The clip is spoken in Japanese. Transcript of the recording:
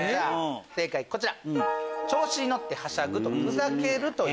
正解こちら。